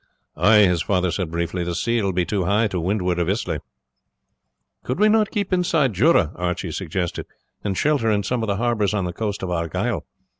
"Ay," his father said briefly; "the sea will be too high to windward of Islay." "Could we not keep inside Jura?" Archie suggested; "and shelter in some of the harbours on the coast of Argyle?"